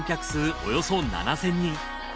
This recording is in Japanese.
およそ７，０００人。